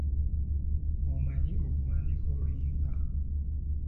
Omanyi okuwandiika oluyimba?